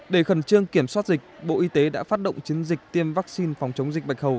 để khẩn trương kiểm soát dịch bộ y tế đã phát động chiến dịch tiêm vaccine phòng chống dịch bạch hầu